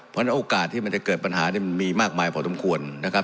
เพราะฉะนั้นโอกาสที่มันจะเกิดปัญหานี่มันมีมากมายพอสมควรนะครับ